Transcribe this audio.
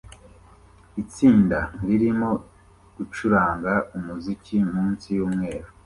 Itsinda ririmo gucuranga umuziki munsi yumweru